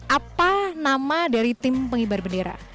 apa nama dari tim pengibar bendera